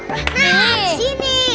nah di sini